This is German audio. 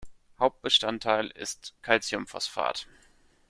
Hauptbestandteil ist Calciumphosphat.